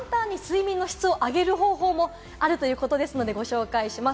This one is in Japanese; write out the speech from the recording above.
簡単に睡眠の質を上げる方法もあるということでご紹介します。